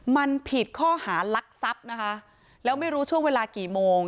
มันผิดข้อหารักทรัพย์นะคะแล้วไม่รู้ช่วงเวลากี่โมง